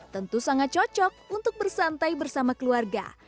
tentu sangat cocok untuk bersantai bersama keluarga